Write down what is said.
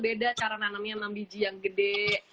beda cara nanemnya sama biji yang gede